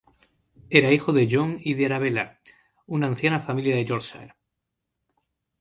Era hijo de John y de Arabella, una anciana familia de Yorkshire.